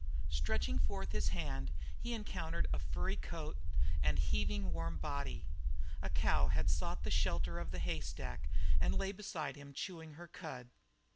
Stretching forth his hand, he encountered a furry coat and heaving warm body. A cow had sought the shelter of the haystack and lay beside him chewing her cud.